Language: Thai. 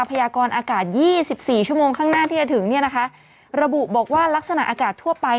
พญากรอากาศ๒๔ชั่วโมงข้างหน้าที่จะถึงระบุบอกว่ารักษณะอากาศทั่วไป